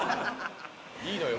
いいのよ